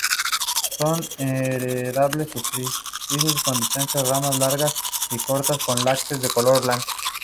Son enredaderas sufrútices con distintas ramas largas y cortas, con látex de color blanco.